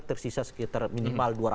tersisa sekitar minimal dua ratus